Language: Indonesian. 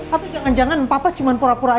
atau jangan jangan papa cuma pura pura aja